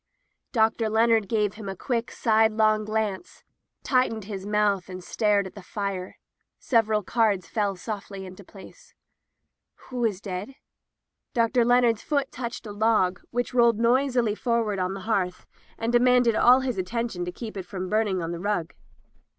Dr. Leonard gave him a quick, sidelong glance, tightened his mouth, and stared at the fire. Several cards fell softly into place. "Who is dead?" Dr. Leonard's foot touched a log, which rolled noisily forward on the hearth and de manded all his attention to keep it from burning the rug.